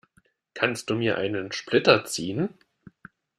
Kannst du mir einen Splitter ziehen?